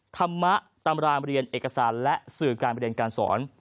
ธรรมะตำรามเรียนเอกสารและสื่อการไปเรียนการสอน